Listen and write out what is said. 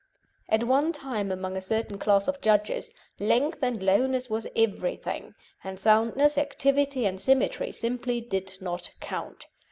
At one time among a certain class of judges, length and lowness was everything, and soundness, activity, and symmetry simply did not count.